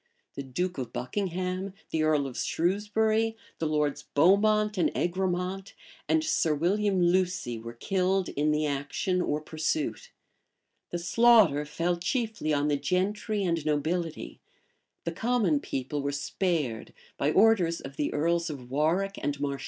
The duke of Buckingham, the earl of Shrewsbury, the Lords Beaumont and Egremont, and Sir William Lucie were killed in the action or pursuit: the slaughter fell chiefly on the gentry and nobility; the common people were spared by orders of the earls of Warwick and Marche.